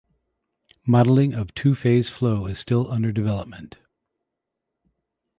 Modelling of two phase flow is still under development.